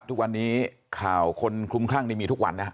ทุกวันนี้ข่าวคนคลุมคลั่งนี่มีทุกวันนะ